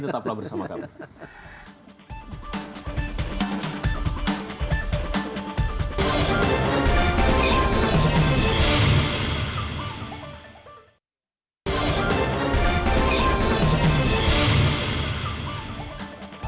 tetaplah bersama kami